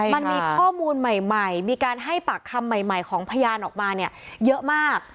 มันมีข้อมูลใหม่มีการให้ปากคำใหม่ของพยานออกมาเนี่ยเยอะมาก